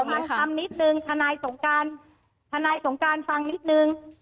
ธนายสงการฟังนิดนึงธนายสงการฟังนิดนึง